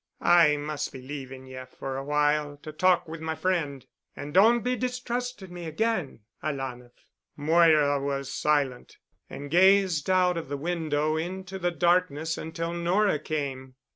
I must be leaving ye for a while to talk with my friend. And don't be distrusting me again, alanah." Moira was silent and gazed out of the window into the darkness until Nora came.